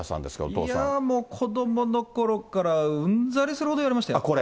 いやー、もう子どものころからうんざりするほど言われましたこれ？